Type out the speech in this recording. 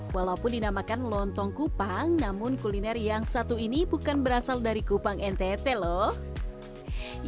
walaupun dinamakan lontong kupang namun kuliner yang satu ini bukan berasal dari kupang ntt loh